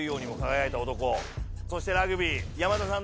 そしてラグビー山田さん